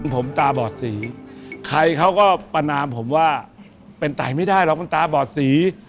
ผมตาบอดสีใครเขาก็ประนามผมว่าเป็นไตไม่ได้หรอกมันตาบอดสี